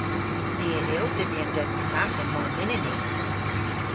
Ni a yll dybri an desen safran mar mynnyn ni.